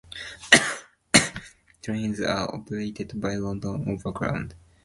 Trains are operated by London Overground.